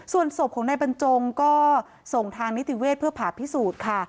ส่วนศพของนายบรรจงก็ส่งทางนิติเวศเพื่อผ่าพิสูจน์ค่ะ